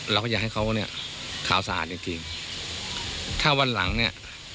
เราก็อยากให้เขาเนี่ยขาวสะอาดจริงจริงถ้าวันหลังเนี่ย